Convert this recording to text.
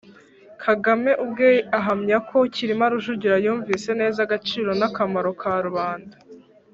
kagame ubwe ahamya ko cyirima rujugira yumvise neza agaciro n'akamaro ka rubanda,